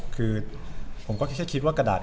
คือผมก็แค่คิดว่ากระดาษ